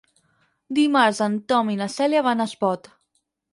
Dimarts en Tom i na Cèlia van a Espot.